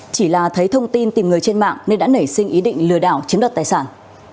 chỉ là thấy thông tin tìm người trên mạng nên đã nảy sinh ý định lừa đảo chiếm đoạt tài sản